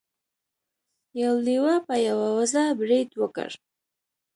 یو لیوه په یوه وزه برید وکړ.